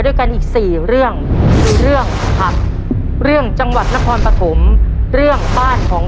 ยูวงจริงก็พูดจริง